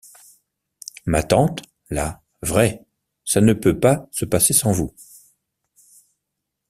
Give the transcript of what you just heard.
Ma tante, là, vrai! ça ne peut pas se passer sans vous.